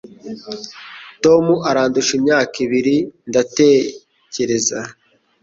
Tom arandusha imyaka ibiri, ndatekereza.